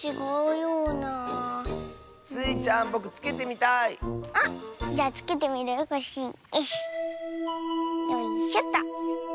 よいしょと。